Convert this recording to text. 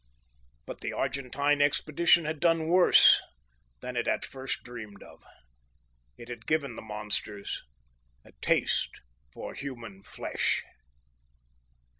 But the Argentine expedition had done worse than it at first dreamed of. _It had given the monsters a taste for human flesh!